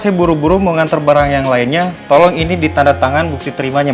saya buru buru mengantar barang yang lainnya tolong ini ditanda tangan bukti terimanya